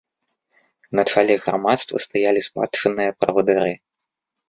На чале грамадства стаялі спадчынныя правадыры.